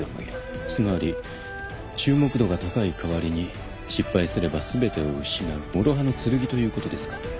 つまり注目度が高い代わりに失敗すれば全てを失うもろ刃の剣ということですか。